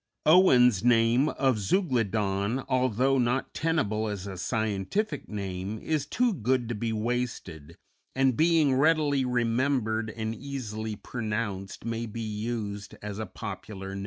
Owen's name of Zeuglodon, although not tenable as a scientific name, is too good to be wasted, and being readily remembered and easily pronounced may be used as a popular name.